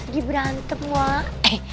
di berantem wak